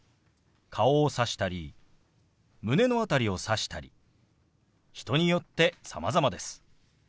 顔をさしたり胸の辺りをさしたり人によってさまざまです。